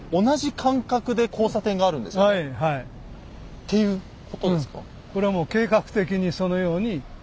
っていうことですか？